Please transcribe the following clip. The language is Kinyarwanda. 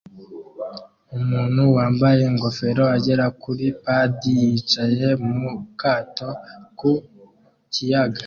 Umuntu wambaye ingofero agera kuri padi yicaye mu kato ku kiyaga